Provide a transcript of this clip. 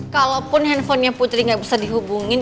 kalaupun handphonenya putri nggak bisa dihubungin